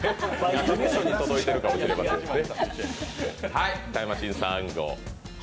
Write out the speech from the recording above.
事務所に届いてるかもしれませんね。